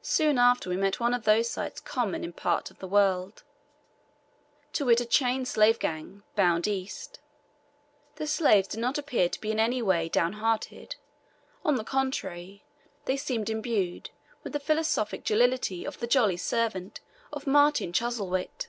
Soon after we met one of those sights common in part of the world, to wit a chain slave gang, bound east. The slaves did not appear to be in any way down hearted on the contrary, they seemed imbued with the philosophic jollity of the jolly servant of Martin Chuzzlewit.